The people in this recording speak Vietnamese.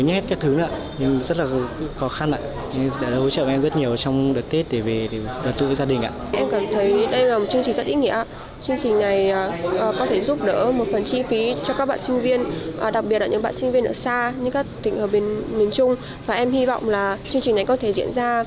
như các tỉnh ở miền trung và em hy vọng là chương trình này có thể diễn ra trong những năm tới